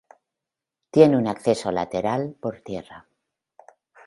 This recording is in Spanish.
Tiene un acceso lateral por tierra.